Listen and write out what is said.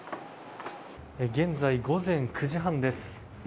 現在、午前９時半です。